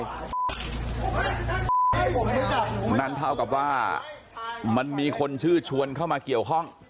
นั่นเท่ากับว่ามันมีคนชื่อชวนเข้ามาเกี่ยวข้อง